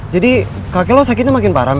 jadi kakek lo sakitnya makin parah men